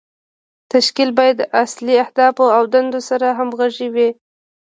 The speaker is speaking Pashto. تشکیل باید د اصلي اهدافو او دندو سره همغږی وي.